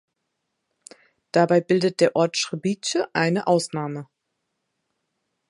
Dabei bildet der Ort Srbice eine Ausnahme.